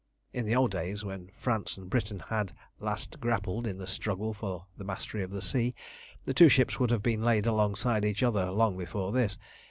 In the old days, when France and Britain had last grappled in the struggle for the mastery of the sea, the two ships would have been laid alongside each other long before this.